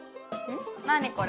何これ？